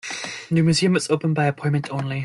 The museum is open by appointment only.